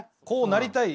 なりたい。